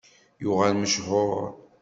Yuɣal mechuṛ.